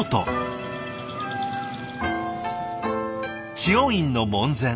知恩院の門前。